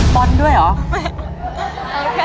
ปอนด์ด้วยหรอ